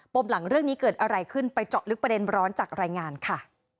มหลังเรื่องนี้เกิดอะไรขึ้นไปเจาะลึกประเด็นร้อนจากรายงานค่ะ